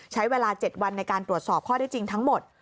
ใช้เวลา๗วันในการตรวจสอบข้อได้จริงทั้งหมด